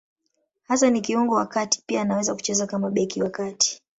Hasa ni kiungo wa kati; pia anaweza kucheza kama beki wa kati.